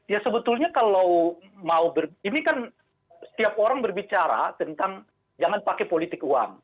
ya sebetulnya kalau mau ini kan setiap orang berbicara tentang jangan pakai politik uang